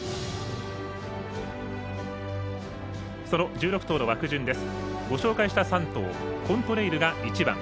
その１６頭の枠順です。